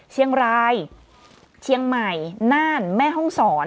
เชียงรายเชียงใหม่น่านแม่ห้องศร